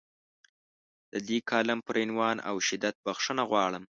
د دې کالم پر عنوان او شدت بخښنه غواړم.